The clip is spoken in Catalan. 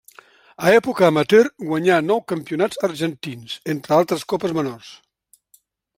A època amateur guanyà nou campionats argentins, entre altres copes menors.